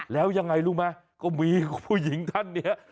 แล้วยังไงรู้ไหมก็มีผู้หญิงท่านเนี่ย